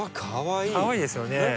かわいいですよね。